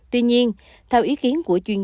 tuy nhiên theo ý kiến của chủ tịch